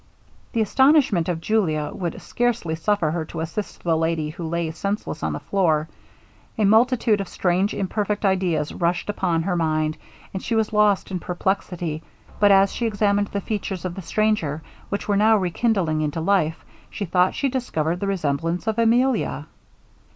The astonishment of Julia would scarcely suffer her to assist the lady who lay senseless on the floor. A multitude of strange imperfect ideas rushed upon her mind, and she was lost in perplexity; but as she examined the features of the stranger; which were now rekindling into life, she thought she discovered the resemblance of Emilia!